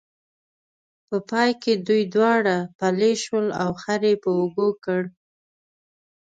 په پای کې دوی دواړه پلي شول او خر یې په اوږو کړ.